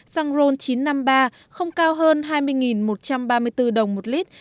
xăng ron chín trăm năm mươi ba không cao hơn hai mươi một trăm ba mươi bốn đồng một lít